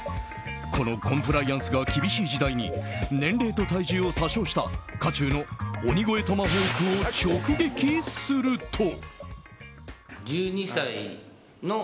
このコンプライアンスが厳しい時代に年齢と体重を詐称した、渦中の鬼越トマホークを直撃すると。